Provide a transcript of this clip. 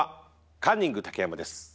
カンニング竹山です。